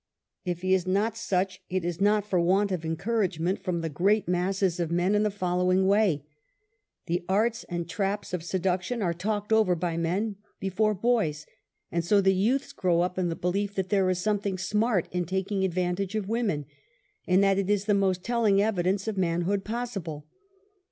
If he is not such, it is not for want of encouragement from the great masses of men in the following way : The arts and traps of seduction are talked over by men before boys, and so the youths grow up in the belief that there is something smart in taking advantage of women, and that it is the most telling evidence of manhood possible.